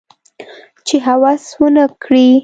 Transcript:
چې هوس ونه کړي